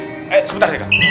eh sebentar ya